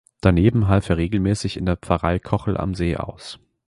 Daneben half er regelmäßig in der Pfarrei Kochel am See aus.